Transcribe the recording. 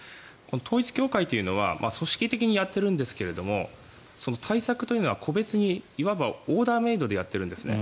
統一教会というのは組織的にやっているんですけれども対策というのは個別にいわばオーダーメイドでやっているんですね。